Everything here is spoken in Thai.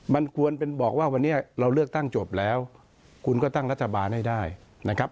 มันควรเป็นบอกว่าวันนี้เราเลือกตั้งจบแล้วคุณก็ตั้งรัฐบาลให้ได้นะครับ